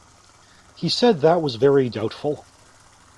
He said that was very doubtful.